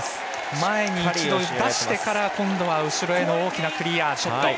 前に一度、出してから後ろへの大きなクリア、ショット。